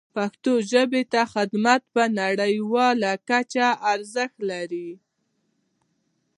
پښتو ژبې ته خدمت په نړیواله کچه ارزښت لري.